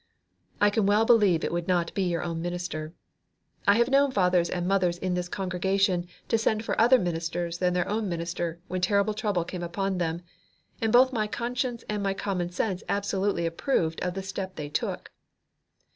I can well believe it would not be your own minister. I have known fathers and mothers in this congregation to send for other ministers than their own minister when terrible trouble came upon them, and both my conscience and my common sense absolutely approved of the step they took.